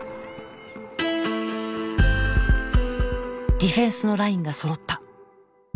ディフェンスのラインがそろった。